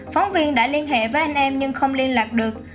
phóng viên đã liên hệ với anh em nhưng không liên lạc được